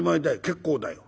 結構だよ。